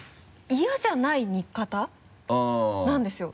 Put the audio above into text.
嫌じゃない似かた？なんですよ。